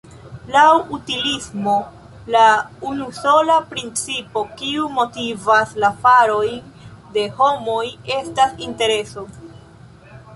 Laŭ utilismo la unusola principo kiu motivas la farojn de homoj estas intereso.